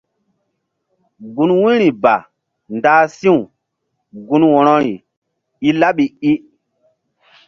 Gun wu̧yri ba ndah si̧w gun wo̧rori i laɓi i.